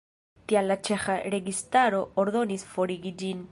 Tial la ĉeĥa registaro ordonis forigi ĝin.